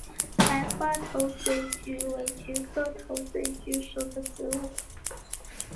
白花头嘴菊为菊科头嘴菊属的植物。